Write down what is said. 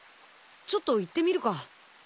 ちょっと行ってみるか。